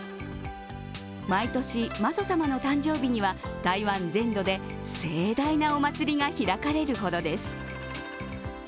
毎年、媽祖様の誕生日には台湾全土で盛大なお祭りが開かれるほどです。